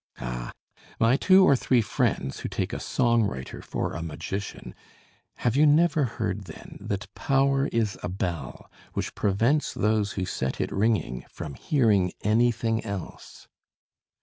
Ah! my two or three friends who take a song writer for a magician, have you never heard, then, that power is a bell which prevents those who set it ringing from hearing anything else?